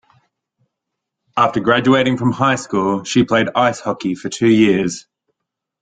After graduating from high school, she played ice hockey for two years.